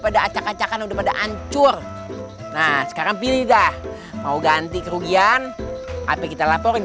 pada acak acakan udah pada hancur nah sekarang pilih dah mau ganti kerugian apa kita laporin